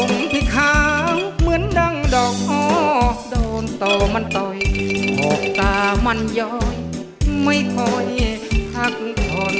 ที่ขาวเหมือนดังดอกพอโดนต่อมันต่อยออกตามันย้อนไม่ค่อยพักผ่อน